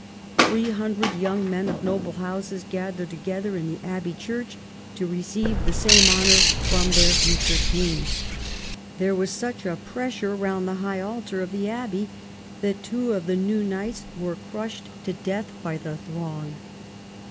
Three hundred young men of noble houses gathered together in the Abbey Church to receive the same honour from their future king. There was such a pressure round the high altar of the Abbey that two of the new knights were crushed xiii THE END OF THE REIGN 227 to death by the throng.